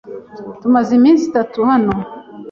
Tumaze iminsi itatu hano.